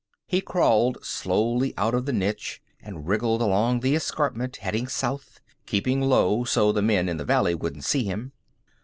He crawled slowly out of the niche and wriggled along the escarpment, heading south, keeping low so the men in the valley wouldn't see him.